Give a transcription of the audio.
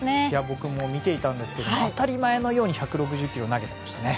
僕も見ていたんですが当たり前のように１６０キロを投げてましたね。